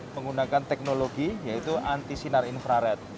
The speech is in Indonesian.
menggunakan teknologi yaitu anti sinar infrared